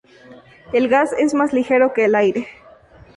El gas es más ligero que el aire.